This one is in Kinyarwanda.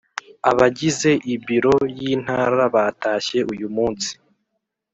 Abagize ibiro y Intara batashye uyumunsi